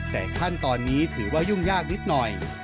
แต่ขั้นตอนนี้ถือว่ายุ่งยากนิดหน่อย